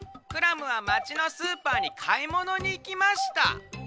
クラムはまちのスーパーにかいものにいきました。